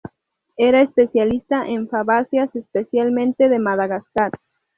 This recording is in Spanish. Era especialista en fabáceas, especialmente de Madagascar.